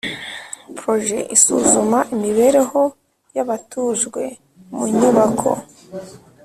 Project isuzuma imibereho y abatujwe mu nyubako